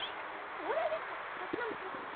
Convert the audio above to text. お笑いですか⁉たしなむ程度には。